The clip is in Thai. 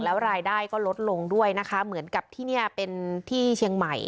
แล้วรายได้ก็ลดลงด้วยนะคะเหมือนกับที่นี่เป็นที่เชียงใหม่